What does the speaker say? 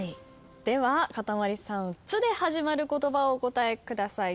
ではかたまりさん「つ」で始まる言葉をお答えください。